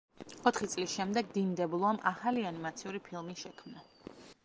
ოთხი წლის შემდეგ დინ დებლუამ ახალი ანიმაციური ფილმი შექმნა.